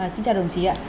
xin chào đồng chí ạ